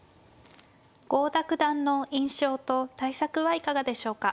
郷田九段の印象と対策はいかがでしょうか。